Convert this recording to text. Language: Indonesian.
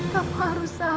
kamu harus sabar